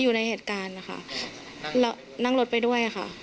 อยู่ในเหตุการณ์นะคะนั่งรถไปด้วยค่ะ